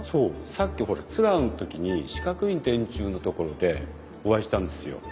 さっきツアーの時に四角い電柱の所でお会いしたんですよ。